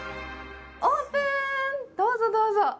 オープン、どうぞどうぞ。